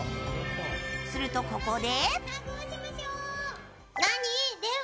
すると、ここで。